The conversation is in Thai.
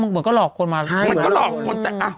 มันก็หลอกคนมามันก็หลอกคนแต่อ่ะ